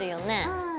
うん。